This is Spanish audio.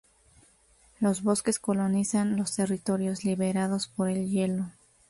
Los bosques colonizan los territorios liberados por el hielo.